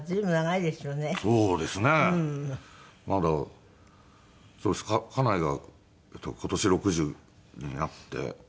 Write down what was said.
まだ家内が今年６０になって。